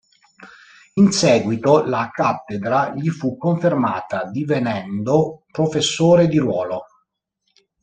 In seguito la cattedra gli fu confermata, divenendo professore di ruolo.